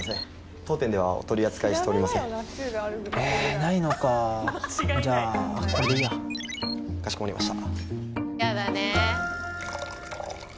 当店ではお取り扱いしておりませんえないのかじゃあこれでいいやかしこまりました